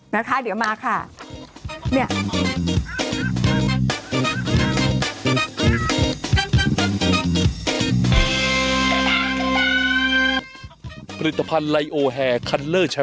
นะคะเดี๋ยวมาค่ะ